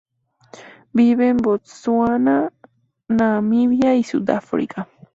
Vive en Botsuana, Namibia y Sudáfrica.